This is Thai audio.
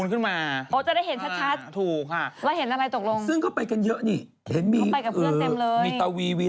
หนูมองเลเบียงข้างบนครับเดี๋ยว